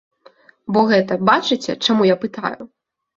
Бо гэта, бачыце, чаму я пытаю?